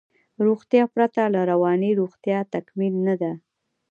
روغتیا پرته له روانی روغتیا تکمیل نده